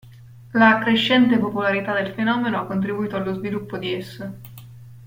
La crescente popolarità del fenomeno ha contribuito allo sviluppo di esso.